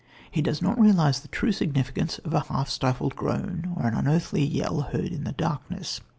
He does not realise the true significance of a half stifled groan or an unearthly yell heard in the darkness.